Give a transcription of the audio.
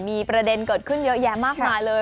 มีประเด็นเกิดขึ้นเยอะแยะมากมายเลย